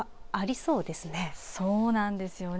そうなんですよね。